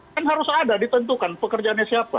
kan harus ada ditentukan pekerjaannya siapa